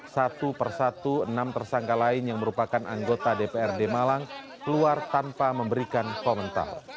satu persatu enam tersangka lain yang merupakan anggota dprd malang keluar tanpa memberikan komentar